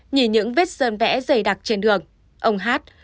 nhìn những vết sơn vẽ dày đặc trên đường ông hát